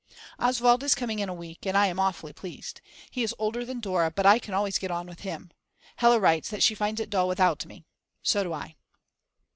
Oswald is coming in a week, and I am awfully pleased. He is older than Dora, but I can always get on with him. Hella writes that she finds it dull without me; so do I.